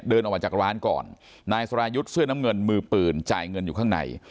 เดินออกมาจากร้านก่อนนายสรายุทธ์เสื้อน้ำเงินมือปืนจ่ายเงินอยู่ข้างใน